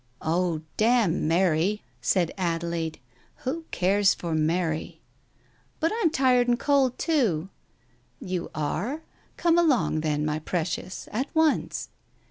"Oh, damn Mary !" said Adelaide. "Who cares for Mary?" "But I'm tired and cqW too." "You are? Come along then, my precious — a.t once."